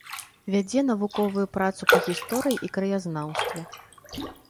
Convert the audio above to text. Вядзе навуковую працу па гісторыі і краязнаўстве.